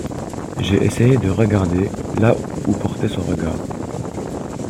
J’ai essayé de regarder là où portait son regard.